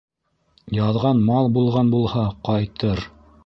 Яҙған мал булған булһа, ҡайтыр.